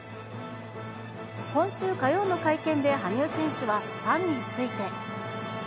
今週火曜の会見で羽生選手はファンについて。